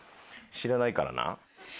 知らないからな。